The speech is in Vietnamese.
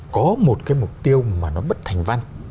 có một cái mục tiêu mà nó bất thành văn